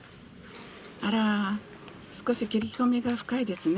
あら少し切り込みが深いですね。